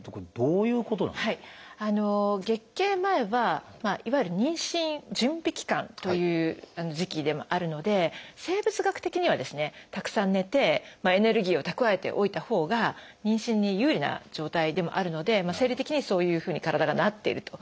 月経前はいわゆる妊娠準備期間という時期でもあるので生物学的にはですねたくさん寝てエネルギーを蓄えておいたほうが妊娠に有利な状態でもあるので生理的にそういうふうに体がなっていると。